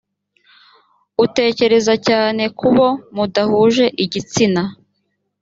utekereza cyane ku bo mudahuje igitsina